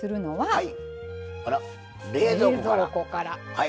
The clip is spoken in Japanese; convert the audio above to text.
はい。